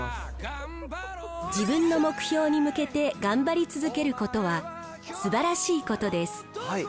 自分の目標に向けて頑張り続けることはすばらしいことです。